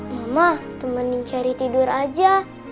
mama temen cari tidur aja